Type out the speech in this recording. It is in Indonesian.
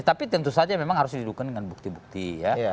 tapi tentu saja memang harus dihidupkan dengan bukti bukti ya